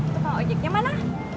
tukang ojeknya mana